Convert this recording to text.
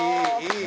いい